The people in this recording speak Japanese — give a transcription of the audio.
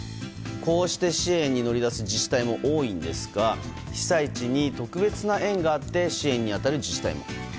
こうして支援に乗り出す自治体も多いんですが被災地に特別な縁があって支援に当たる自治体も。